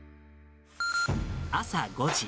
朝５時。